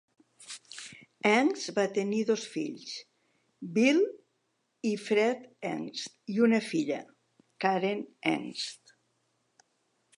Engst va tenir dos fills, Bill i Fred Engst i una filla, Karen Engst.